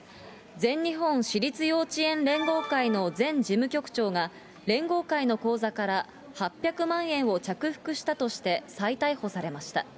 全日本私立幼稚園連合会の前事務局長が、連合会の口座から８００万円を着服したとして再逮捕されました。